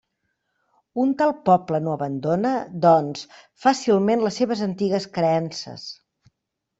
Un tal poble no abandona, doncs, fàcilment les seves antigues creences.